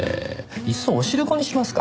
いっそおしるこにしますか？